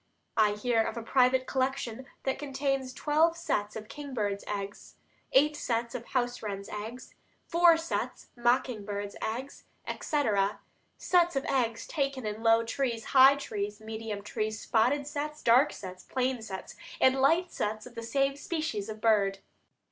I hear of a private collection that contains twelve sets of kingbirds' eggs, eight sets of house wrens' eggs, four sets mocking birds' eggs, etc.; sets of eggs taken in low trees, high trees, medium trees; spotted sets, dark sets, plain sets, and light sets of the same species of bird.